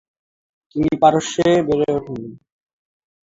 তিনি পারস্যে বেড়ে উঠেন।